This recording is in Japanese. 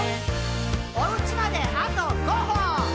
「おうちまであと５歩！」